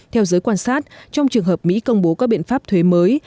theo giới quan sát trong trường hợp mỹ công bố các biện pháp thuế mới